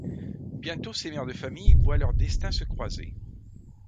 Bientôt, ces mères de famille voient leurs destins se croiser.